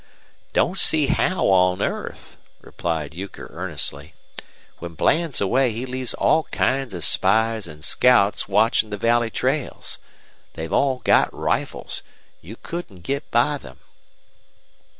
"Don't see how on earth," returned Euchre, earnestly. "When Bland's away he leaves all kinds of spies an' scouts watchin' the valley trails. They've all got rifles. You couldn't git by them.